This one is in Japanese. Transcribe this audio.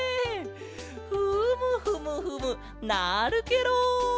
フムフムフムなるケロ！